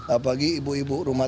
apalagi ibu ibu rumah